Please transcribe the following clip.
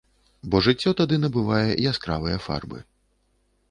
Бо жыццё тады набывае яскравыя фарбы.